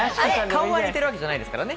顔が似てるわけじゃないですからね。